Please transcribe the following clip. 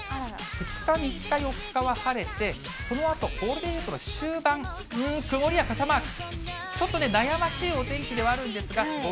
２日、３日、４日は晴れて、そのあとゴールデンウィークの終盤に曇りや傘マーク。